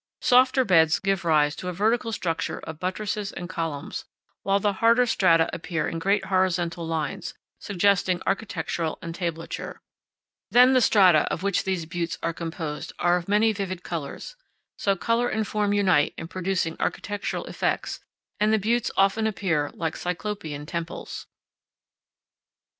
Softer beds give rise to a vertical structure of buttresses and columns, while the harder strata appear in great horizontal lines, suggesting MESAS AND BUTTES. 47 architectural entablature. Then the strata of which these buttes are composed are of many vivid colors; so color and form unite in producing architectural effects, and the buttes often appear like Cyclopean temples.